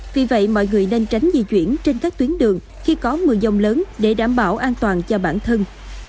vì vậy mọi người nên tránh di chuyển trên các tuyến đường khi có mưa dông lớn để đảm bảo an toàn cho bản thân